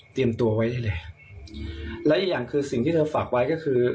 ตัวไว้ได้เลยและอีกอย่างคือสิ่งที่เธอฝากไว้ก็คือ